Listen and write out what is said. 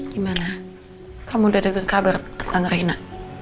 gimana kamu udah denger kabar tentang reina